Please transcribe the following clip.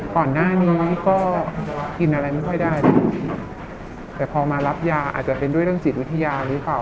ก่อนหน้านี้ก็กินอะไรไม่ค่อยได้แต่พอมารับยาอาจจะเป็นด้วยเรื่องจิตวิทยาหรือเปล่า